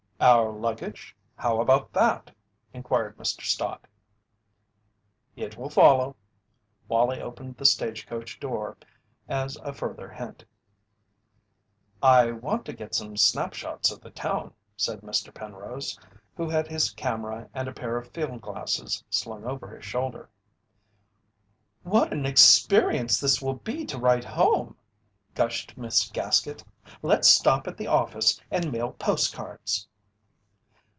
"Our luggage? How about that?" inquired Mr. Stott. "It will follow." Wallie opened the stage coach door as a further hint. "I want to get some snap shots of the town," said Mr. Penrose, who had his camera and a pair of field glasses slung over his shoulder. "What an experience this will be to write home!" gushed Miss Gaskett. "Let's stop at the office and mail post cards."